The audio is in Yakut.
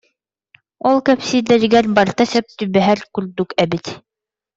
Ол кэпсииллэригэр барыта сөп түбэһэр курдук эбит